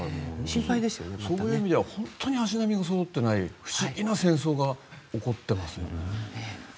そういう意味では本当に足並みがそろっていない不思議な戦争が起こってますよね。